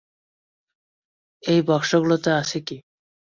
এই বাক্সগুলাতে আছে কী?